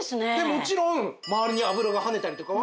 もちろん周りに油がはねたりとかは。